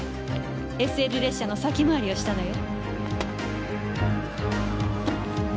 ＳＬ列車の先回りをしたのよ。